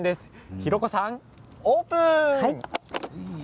ひろ子さん、オープン！